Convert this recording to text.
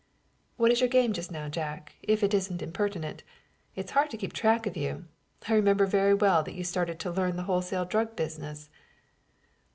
"What is your game just now, Jack, if it isn't impertinent? It's hard to keep track of you. I remember very well that you started in to learn the wholesale drug business."